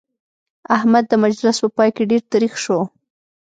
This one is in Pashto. احمد د مجلس په پای کې ډېر تريخ شو.